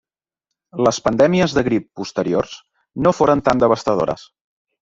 Les pandèmies de grip posteriors no foren tan devastadores.